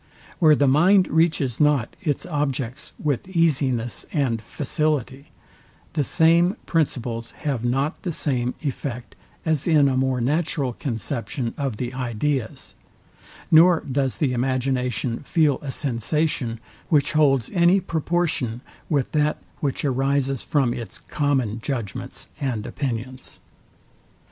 Where the mind reaches not its objects with easiness and facility, the same principles have not the same effect as in a more natural conception of the ideas; nor does the imagination feel a sensation, which holds any proportion with that which arises from its common judgments and opinions.